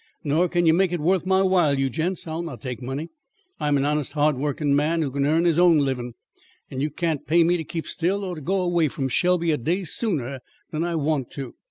"Nor can you make it worth my while, you gents. I'll not take money. I'm an honest hard workin' man who can earn his own livin', and you can't pay me to keep still, or to go away from Shelby a day sooner than I want to.